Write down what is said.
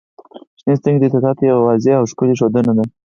• شنې سترګې د احساساتو یوه واضح او ښکلی ښودنه ده.